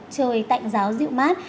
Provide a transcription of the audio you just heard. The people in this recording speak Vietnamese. trời tạnh giáo dịu mát